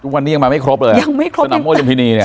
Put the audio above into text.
วันนี้ยังมาไม่ครบเลยสนามวยลุมพินีเนี่ย